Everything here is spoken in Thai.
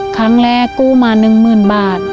ครั้งแรกกู้มาหนึ่งหมื่นบาท